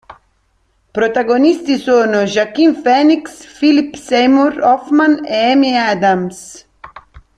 Protagonisti sono Joaquin Phoenix, Philip Seymour Hoffman e Amy Adams.